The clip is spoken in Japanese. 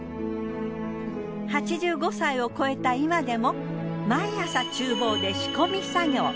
８５歳を超えた今でも毎朝厨房で仕込み作業。